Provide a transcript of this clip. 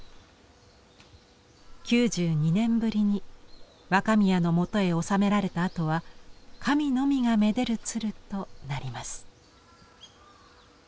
９２年ぶりに若宮のもとへおさめられたあとは「神のみがめでる鶴」となります。